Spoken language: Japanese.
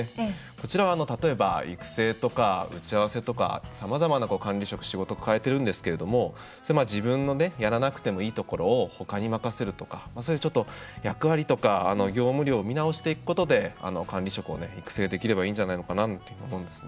こちらは、例えば育成とか打ち合わせとかさまざまな管理職仕事を抱えてるんですけれども自分のやらなくてもいいところを他に任せるとかそういう役割とか業務量を見直していくことで管理職を育成できればいいんじゃないかなと思うんです。